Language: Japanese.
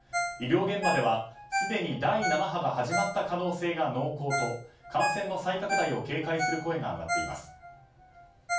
医療現場ではすでに第７波が始まった可能性が濃厚と感染の再拡大を警戒する声が上がっています。